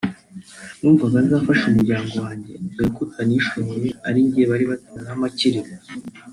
numvaga nzafasha umuryango wanjye dore ko utanishoboye ari njye bari batezeho amakiriro